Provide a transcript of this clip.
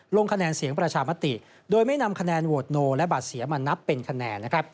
ลงคะแนนเสียงประชามติโดยไม่นำคะแนนโหวตโนและบัตรเสียมานับเป็นคะแนน